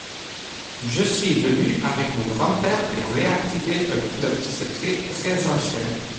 Je suis venue avec mon grand-père pour réactiver un club secret très ancien.